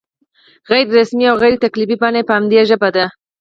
غیر رسمي او غیر تکلفي بڼه یې په همدې ژبه ده.